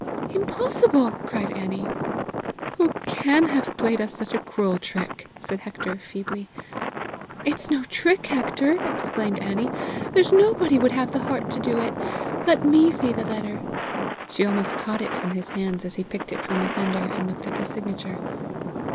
"Impossible!" cried Annie. "Who can have played us such a cruel trick?" said Hector feebly. "It's no trick, Hector!" exclaimed Annie. "There's nobody would have the heart to do it. Let me see the letter." She almost caught it from his hands as he picked it from the fender, and looked at the signature.